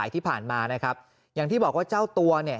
ที่ผ่านมานะครับอย่างที่บอกว่าเจ้าตัวเนี่ย